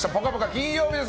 金曜日です。